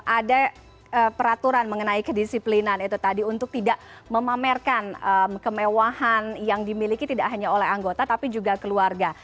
ada peraturan mengenai kedisiplinan itu tadi untuk tidak memamerkan kemewahan yang dimiliki tidak hanya oleh anggota tapi juga keluarga